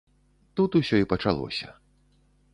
Тут усё і пачалося.